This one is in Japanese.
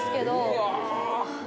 うわ。